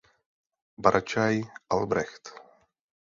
Barčay Albrecht.